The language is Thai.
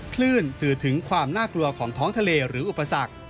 คลื่นสื่อถึงความน่ากลัวของท้องทะเลหรืออุปสรรค